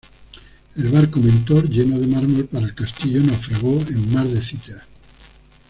El barco "Mentor", lleno de mármol para el castillo, naufragó en Mar de Citera.